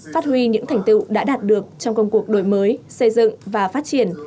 phát huy những thành tựu đã đạt được trong công cuộc đổi mới xây dựng và phát triển